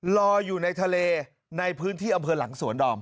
ลอยอยู่ในทะเลในพื้นที่อำเภอหลังสวนดอม